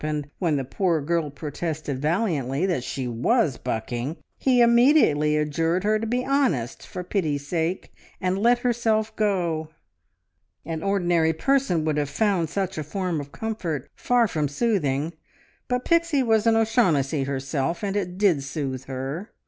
and when the poor girl protested valiantly that she was bucking, immediately adjured her to be honest, for pity's sake, and "let herself go!" An ordinary person would have found such a form of comfort far from soothing, but Pixie was an O'Shaughnessy herself, and it did soothe her.